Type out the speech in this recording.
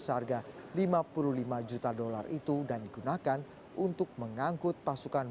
seharga lima puluh lima juta dolar itu dan digunakan untuk mengangkut pasukan